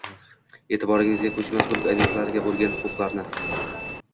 E’tiboringizga ko‘chmas mulk ob’ektlariga bo‘lgan huquqlarni